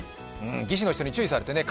技師の人に注意されて肩